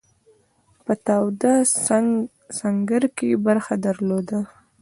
په تاوده سنګر کې برخه درلوده.